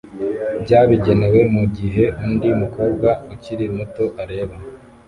byabigenewe mugihe undi mukobwa ukiri muto areba